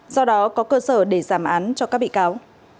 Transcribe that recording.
do đó có cơ sở để giảm án cho các bị cáo